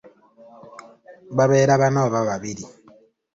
Babeera bana oba babiri.